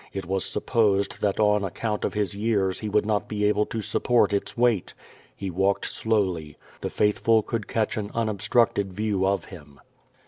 It was supposed that on account o\ his years he would not be able to support its weight. He walked slowly. The faithful could catch an unobstructed view of him.